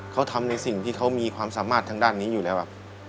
เขาทำในสิ่งที่เขามีความสามารถทางด้านนี้อยู่แล้วครับ